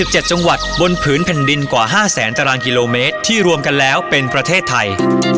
๗จังหวัดบนผืนแผ่นดินกว่า๕แสนตารางกิโลเมตรที่รวมกันแล้วเป็นประเทศไทย